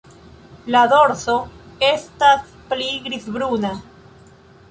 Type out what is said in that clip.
La dorso estas pli grizbruna.